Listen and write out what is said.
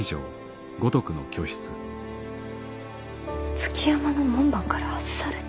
築山の門番から外された？